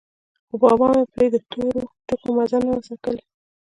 خو بابا مې پرې د تورو ټکو مزه نه وڅکلې.